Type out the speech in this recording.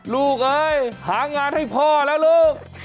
เอ้ยหางานให้พ่อแล้วลูก